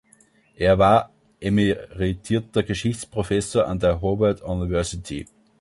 Er war emeritierter Geschichtsprofessor an der Howard University.